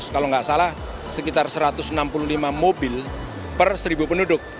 kalau nggak salah sekitar satu ratus enam puluh lima mobil per seribu penduduk